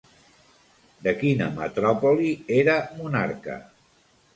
De quina metròpoli era monarca?